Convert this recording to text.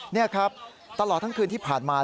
นี่ครับตลอดทั้งคืนที่ผ่านมา